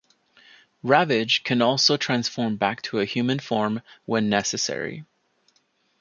Ravage can also transform back to a human form when necessary.